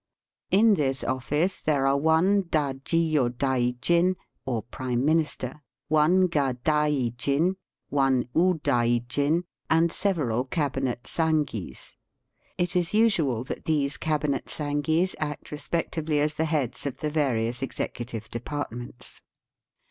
In this office there are one Dajio daijin or prime minister, one Gadaijin, one Udaijin, and several Cabinet Sangis. It is usual that these Cabinet Sangis act respectively as the heads of the various executive departments.